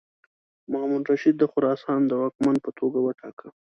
مامون الرشید د خراسان د واکمن په توګه وټاکه.